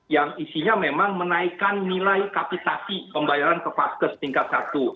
yang isinya memang menaikkan nilai kapitasi pembayaran ke paskes tingkat satu